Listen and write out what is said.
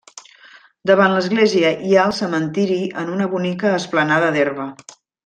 Davant l'església hi ha el cementiri en una bonica esplanada d'herba.